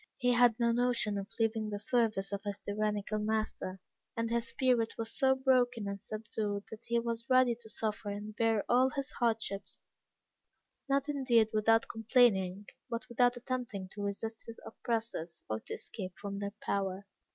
He had no notion of leaving the service of his tyrannical master, and his spirit was so broken and subdued that he was ready to suffer and to bear all his hardships: not, indeed, without complaining, but without attempting to resist his oppressors or to escape from their power.